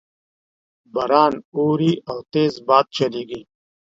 باران اوري او تیز باد چلیږي